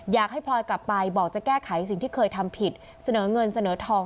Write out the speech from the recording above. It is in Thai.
พลอยกลับไปบอกจะแก้ไขสิ่งที่เคยทำผิดเสนอเงินเสนอทอง